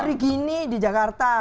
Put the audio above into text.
hari ini di jakarta